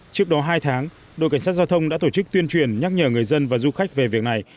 trước đó hai tháng đội cảnh sát giao thông đã tổ chức tuyên truyền nhắc nhở người dân và du khách về việc này